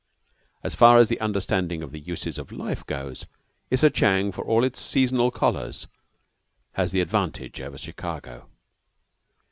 As far as the understanding of the uses of life goes, Isser Jang, for all its seasonal cholers, has the advantage over Chicago.